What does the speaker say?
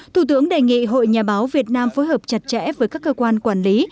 thủ tướng đề nghị hội nhà báo việt nam phối hợp chặt chẽ với các cơ quan quản lý